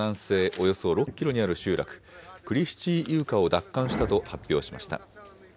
およそ６キロにある集落、クリシチーイウカを奪還したと発表しました。